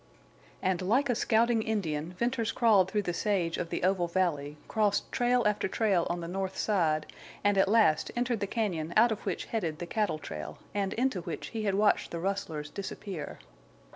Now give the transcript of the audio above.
And like a scouting Indian Venters crawled through the sage of the oval valley, crossed trail after trail on the north side, and at last entered the cañon out of which headed the cattle trail, and into which he had watched the rustlers disappear.